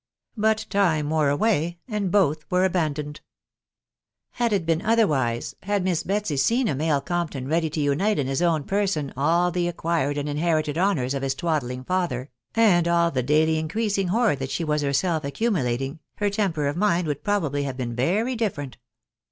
But time wore away, and both were abandoned. Had it been otherwise, had Miss Betsy seen a male Compton ready to unite in his own person all the acquired and inherited honours of his twaddling father, and all the daily increasing hoard that she was herself accumulating, her temper of mind would probably have been very different.